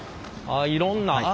ああいろんな。